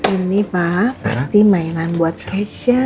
ini pa pasti mainan buat keisha